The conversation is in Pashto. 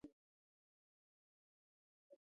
ازادي راډیو د عدالت په اړه د هر اړخیزو مسایلو پوښښ کړی.